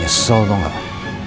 nyesel dong apa